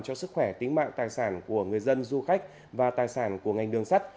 cho sức khỏe tính mạng tài sản của người dân du khách và tài sản của ngành đường sắt